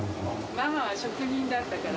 ママは職人だったから。